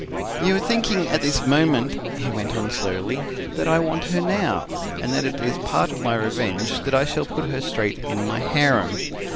"'You are thinking at this moment,' he went on slowly, 'that I want her now, and that it is part of my revenge that I shall put her straight in my harem.